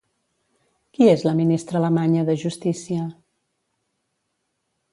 Qui és la ministra alemanya de Justícia?